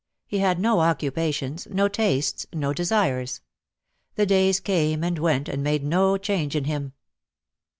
He had no occupations, no tastes, no desires. The days came and went and made no change in him.